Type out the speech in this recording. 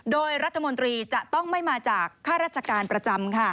โดยรัฐมนตรีจะต้องไม่มาจากค่าราชการประจำค่ะ